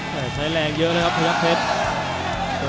ใกล้ใช้แรงเยอะเลยครับพระเยาะเพชร